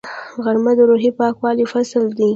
غرمه د روحي پاکوالي فصل دی